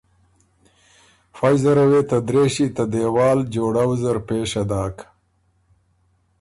فئ زره وې ته درېشی ته دېوال جوړؤ زر پېشه داک